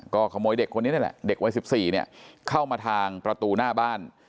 ก็ขโมยเด็กคนนี้นั่นแหละเด็กวัย๑๔เนี่ยเข้ามาทางประตูหน้าบ้าน